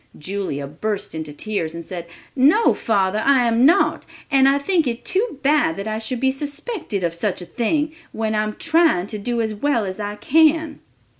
Julia burst into tears, and said: "No, father, I am not; and I think it too bad that I should be suspected of such a thing, when I am trying to do as well as I can."